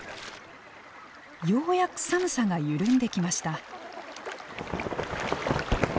ようやく寒さが緩んできました。